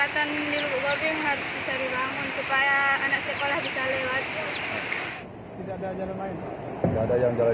tidak ada jalan lain